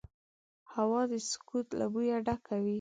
هوا د سکوت له بوی ډکه وي